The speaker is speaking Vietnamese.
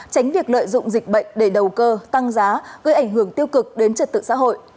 tránh việc lợi dụng dịch bệnh để đầu cơ tăng giá gây ảnh hưởng tiêu cực đến trật tự xã hội